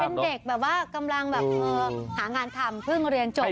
เป็นเด็กแบบว่ากำลังแบบหางานทำเพิ่งเรียนจบ